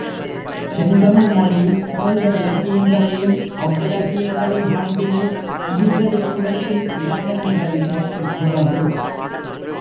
செந்தமிழ் மொழி சிறந்த இலக்கியங்களையும், அவ்விலக்கியங்களின் பண்பினை இனிதெடுத் துரைக்கும் இலக்கணங்களையும் பெற்றுளது.